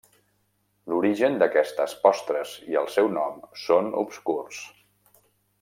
L'origen d'aquestes postres i el seu nom són obscurs.